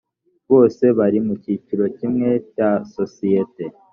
bose bari mu cyiciro kimwe cya sosiyete